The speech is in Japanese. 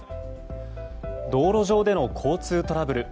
道路上での交通トラブル。